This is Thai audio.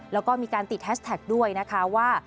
แล้วก็มีการติดแฮชแท็กด้วยนะคะว่า